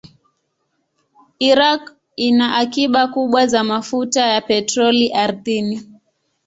Iraq ina akiba kubwa za mafuta ya petroli ardhini.